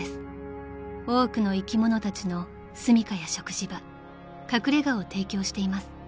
［多くの生き物たちのすみかや食事場隠れ家を提供しています］